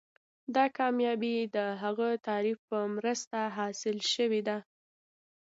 دا کامیابي د هغه تعریف په مرسته حاصله شوې ده.